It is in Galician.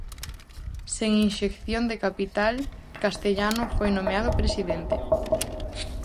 Sen inxección de capital, Castellano foi nomeado presidente.